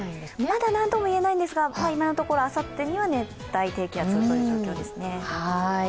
まだなんとも言えないんですが今のところあさってには熱帯低気圧という状況ですね。